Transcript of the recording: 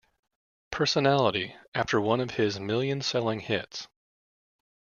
Personality, after one of his million-selling hits.